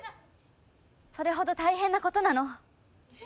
それほど大変なことなの。